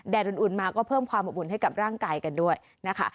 อุ่นมาก็เพิ่มความอบอุ่นให้กับร่างกายกันด้วยนะคะ